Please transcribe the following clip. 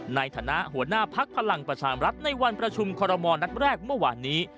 ในฐานะหัวหน้าพักพลังประชามรัฐในวันประชุมคอรมณ์นัดแรกเมื่อวานนี้